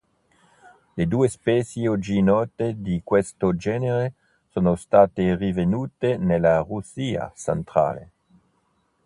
Le due specie oggi note di questo genere sono state rinvenute nella Russia centrale.